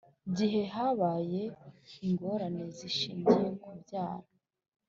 Gihe habaye ingorane zishingiye ku kubyara